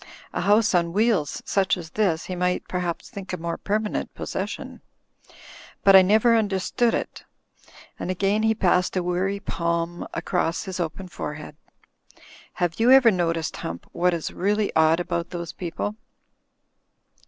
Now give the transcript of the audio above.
A house on wheels, such as this, he might perhaps think a more permanent possession. But I never understand it;'* and again he passed a weary palm across his open forehead. "Have you ever noticed. Hump, what is really odd about those people?"